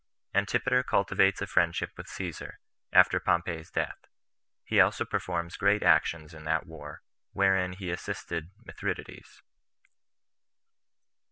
Antipater Cultivates A Friendship With Caesar, After Pompey's Death; He Also Performs Great Actions In That War, Wherein He Assisted Mithridates.